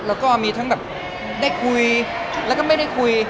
แล้วก็มีทั้งแบบได้คุยแล้วก็ไม่ได้คุย